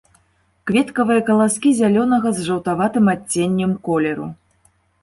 Кветкавыя каласкі зялёнага з жаўтаватым адценнем колеру.